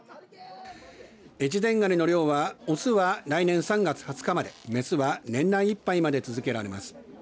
越前がにの漁は雄は来年３月２０日まで雌は年内いっぱいまで続けられます。